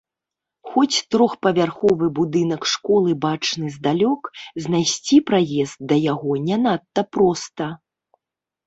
Хоць трохпавярховы будынак школы бачны здалёк, знайсці праезд да яго не надта проста.